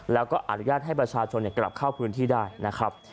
แล้วก็อนุญาตให้ประชาชนกลับเข้าพื้นที่ได้นะครับ